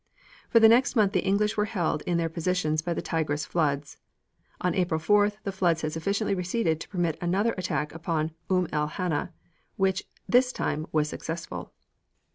For the next month the English were held in their positions by the Tigris floods. On April 4th the floods had sufficiently receded to permit of another attack upon Umm el Hanna, which this time was successful.